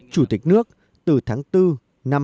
chủ tịch nước từ tháng bốn năm hai nghìn một mươi